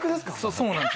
そうなんです。